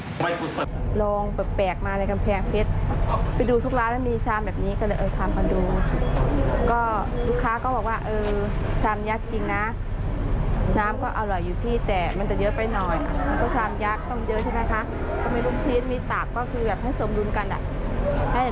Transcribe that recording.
ลงแบบแปลกมาในกำแพงพิษไปดูทุกร้านแล้วมีชามแบบนี้ก็เลยเอาชามมาดู